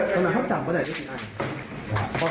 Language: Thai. ตะวันที่เขาจับมะไหนดึงอ่ะ